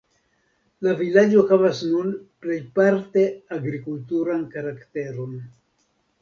La vilaĝo havas nun plejparte agrikulturan karakteron.